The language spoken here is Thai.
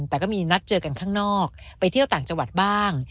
แต่ก็มีนัดเจอกันข้างนอกไปเที่ยวต่างจังหวัดบ้าง